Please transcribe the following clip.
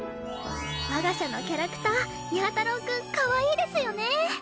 我が社のキャラクターにゃ太郎くんかわいいですよね！